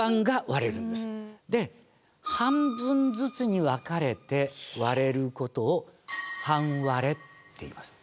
で半分ずつに分かれて割れることを「半割れ」っていいます。